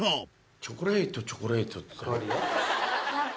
「チョコレートチョコレート」って。